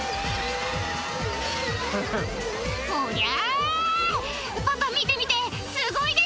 おりゃ。